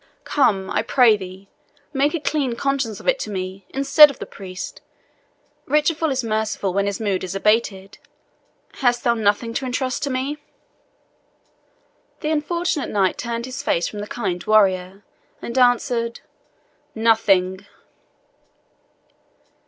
Come, I pray thee, make a clean conscience of it to me, instead of the priest. Richard is merciful when his mood is abated. Hast thou nothing to entrust to me?" The unfortunate knight turned his face from the kind warrior, and answered, "NOTHING."